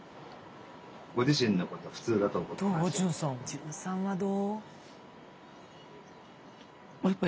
純さんはどう？